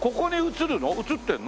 映ってるの？